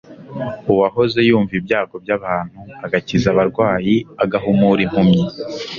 Uwahoze yumva ibyago by'abantu, agakiza abarwayi, agahumura impumyi,